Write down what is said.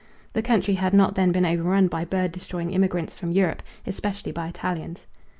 The country had not then been overrun by bird destroying immigrants from Europe, especially by Italians.